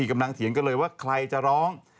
กำลังเถียงกันเลยว่าใครจะร้อง